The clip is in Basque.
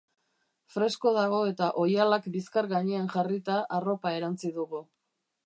Fresko dago eta oihalak bizkar gainean jarrita arropa erantzi dugu.